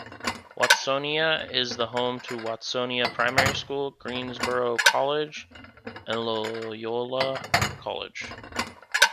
Watsonia is also the home to Watsonia Primary School, Greensborough College and Loyola College.